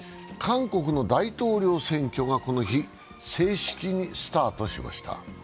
韓国の大統領選挙がこの日、正式にスタートｐしました。